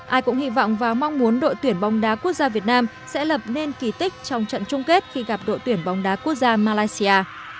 ai cũng hy vọng và mong muốn đội tuyển bóng đá quốc gia việt nam sẽ lập nên kỳ tích trong trận chung kết khi gặp đội tuyển bóng đá quốc gia malaysia